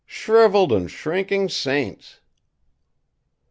Shrivelled and shrinking saints!"